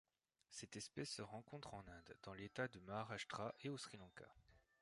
Cette espèce se rencontre en Inde, dans l’État de Maharashtra et au Sri Lanka.